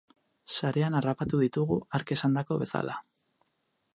Sarean harrapatu ditugu, hark esandako bezala.